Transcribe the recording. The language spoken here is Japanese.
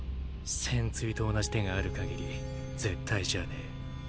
戦鎚と同じ手がある限り絶対じゃねぇ。